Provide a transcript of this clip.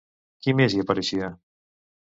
Qui més hi apareixia?